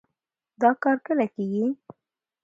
دا کار کله کېږي؟